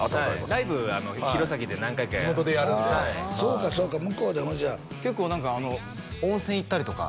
ライブ弘前で何回か地元でやるんでそうかそうか向こうでほんじゃあ結構何か温泉行ったりとか？